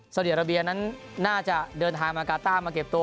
สาวเดียรับียานั้นน่าจะเดินทางมากาต้ามาเก็บโต